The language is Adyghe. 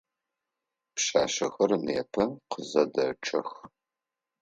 Пшъашъэхэр непэ къызэдэчъэх.